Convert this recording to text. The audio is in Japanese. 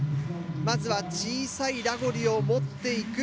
まずは小さいラゴリを持っていく。